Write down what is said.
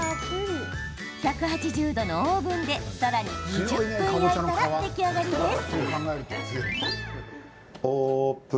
１８０度のオーブンでさらに２０分焼いたら出来上がりです。